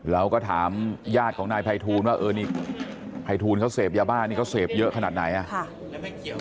เราก็ถามญาติของนายภัยทูลว่าเออนี่ภัยทูลเขาเสพยาบ้านี่เขาเสพเยอะขนาดไหนอ่ะค่ะ